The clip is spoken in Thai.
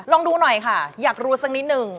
ลองดูหน่อยค่ะอยากรู้สักนิดนึง